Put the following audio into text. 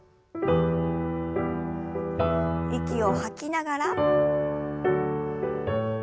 息を吐きながら。